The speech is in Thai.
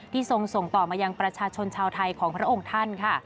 ทรงส่งต่อมายังประชาชนชาวไทยของพระองค์ท่านค่ะ